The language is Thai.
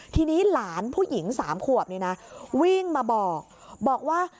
ทีนี้หลานผู้หญิง๓ขวบเนี่ยนะวิ่งมาบอกบอกว่า